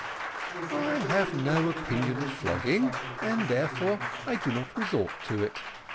"I have no opinion of flogging, and therefore I do not resort to it.